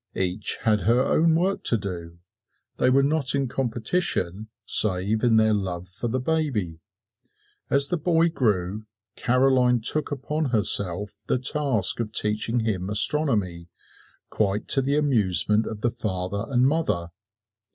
Each had her own work to do; they were not in competition save in their love for the baby. As the boy grew, Caroline took upon herself the task of teaching him astronomy, quite to the amusement of the father and mother.